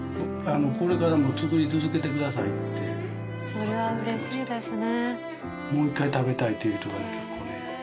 それは嬉しいですね。